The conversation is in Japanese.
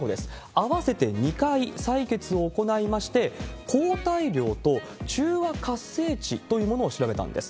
合わせて２回採血を行いまして、抗体量と中和活性値というものを調べたんです。